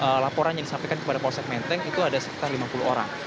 dari laporan yang disampaikan kepada polsek menteng itu ada sekitar lima puluh orang